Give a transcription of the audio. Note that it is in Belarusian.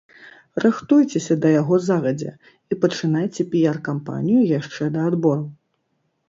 Рыхтуйцеся да яго загадзя і пачынайце піяр-кампанію яшчэ да адбору!